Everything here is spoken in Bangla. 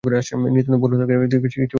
নিতান্ত ভদ্রতার খাতিরে কিছু বলতে পারছেন না।